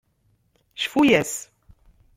Cfu-yas!